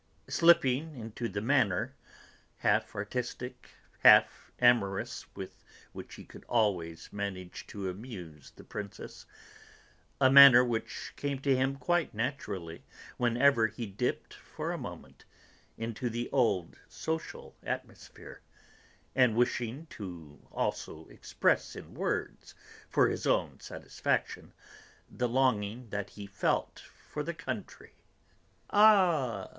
Slipping into the manner, half artistic, half amorous with which he could always manage to amuse the Princess a manner which came to him quite naturally whenever he dipped for a moment into the old social atmosphere, and wishing also to express in words, for his own satisfaction, the longing that he felt for the country: "Ah!"